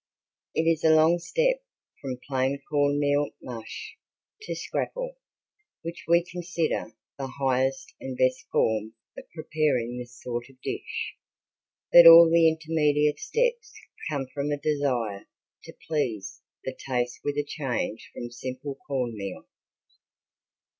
It is a long step from plain corn meal mush to scrapple, which we consider the highest and best form of preparing this sort of dish, but all the intermediate steps come from a desire to please the taste with a change from simple corn meal.